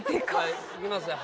すいません。